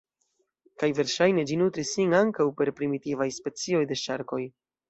Kaj verŝajne ĝi nutris sin ankaŭ per primitivaj specioj de ŝarkoj.